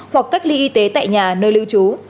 hoặc cách ly y tế tại nhà nơi lưu trú